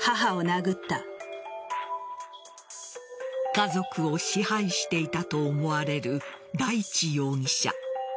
家族を支配していたと思われる大地容疑者。